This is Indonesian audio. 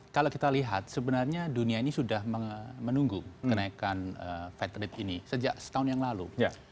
kalau kita lihat sebenarnya dunia ini sudah menunggu kenaikan fed rate ini sejak setahun yang lalu